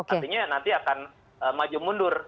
artinya nanti akan maju mundur